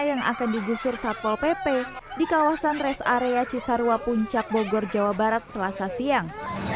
yang akan digusur satpol pp di kawasan rest area cisarua puncak bogor jawa barat selasa siang